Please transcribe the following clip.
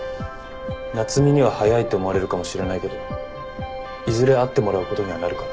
夏海には早いって思われるかもしれないけどいずれ会ってもらうことにはなるから。